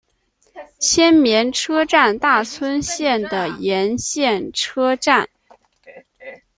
千绵车站大村线的沿线车站。